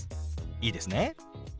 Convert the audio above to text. いいですね？